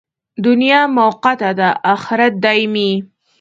دنیا موقته ده، اخرت دایمي.